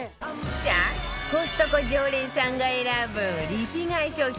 さあコストコ常連さんが選ぶリピ買い商品